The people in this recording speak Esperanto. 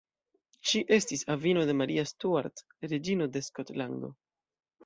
Ŝi estis avino de Maria Stuart, reĝino de Skotlando.